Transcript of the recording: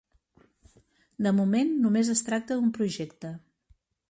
De moment, només es tracta d'un projecte.